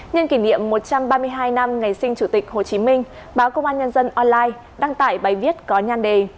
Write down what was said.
nhân kỷ niệm một trăm ba mươi hai năm ngày sinh chủ tịch hồ chí minh báo công an nhân dân online đăng tải bài viết có nhan đề